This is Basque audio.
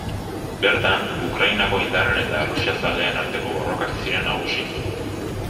Bertan, Ukrainako indarren eta errusiazaleen arteko borrokak ziren nagusi.